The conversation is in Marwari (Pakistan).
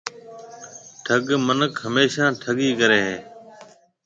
ٺَگ مِنک هميشا ٺَگِي ڪريَ هيَ۔